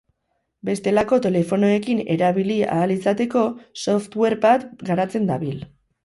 Bestelako telefonoekin erabili ahal izateko software bat garatzen dabil.